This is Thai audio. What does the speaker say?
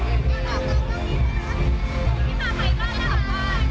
เราเลยเลือกพรีเซนเตอร์สองคน